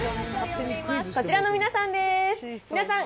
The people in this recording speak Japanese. こちらの皆さん